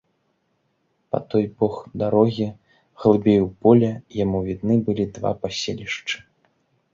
Па той бок дарогі, глыбей у поле, яму відны былі два паселішчы.